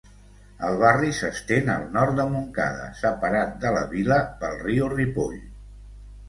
El barri s'estén al nord de Montcada, separat de la vila pel riu Ripoll.